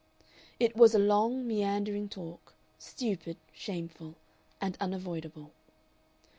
It was a long, meandering talk, stupid, shameful, and unavoidable.